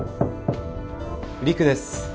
陸です。